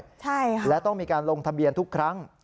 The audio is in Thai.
นะครับแล้วต้องมีการลงทะเบียนทุกครั้ง